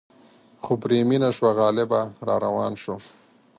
خو پرې مینه شوه غالبه را روان شو.